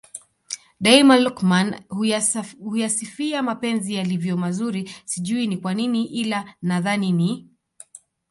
Daima Luqman huyasifia mapenzi yalivyo mazuri sijui ni kwanini ila nadhani ni